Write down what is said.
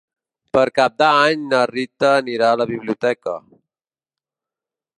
Per Cap d'Any na Rita anirà a la biblioteca.